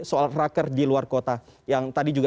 soal raker di luar kota yang tadi juga